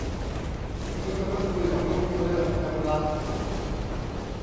นี่ก็เพิ่งคุยกับลูกเรื่องแคลคูลัส